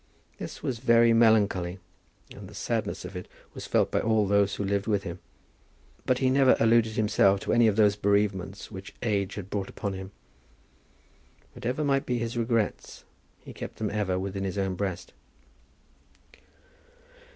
This was very melancholy, and the sadness of it was felt by all those who lived with him; but he never alluded himself to any of those bereavements which age brought upon him. Whatever might be his regrets, he kept them ever within his own breast.